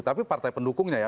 tapi partai pendukungnya ya